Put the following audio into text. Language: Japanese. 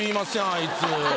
あいつ。